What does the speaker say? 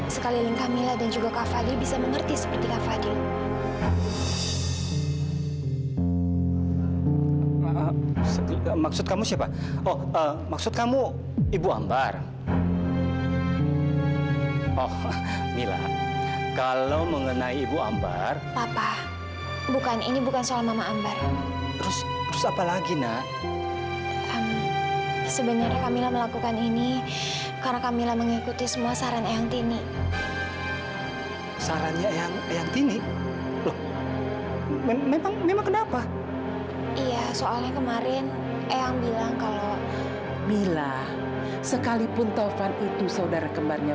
sampai jumpa di video selanjutnya